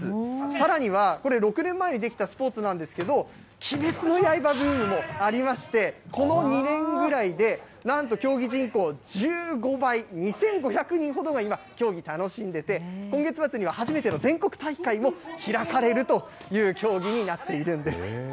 さらには、６年前にできたスポーツなんですけれども、鬼滅の刃ブームもありまして、この２年ぐらいで、なんと競技人口、１５倍、２５００人ほどが今、競技楽しんでて、今月末には初めての全国大会も開かれるという競技になっているんです。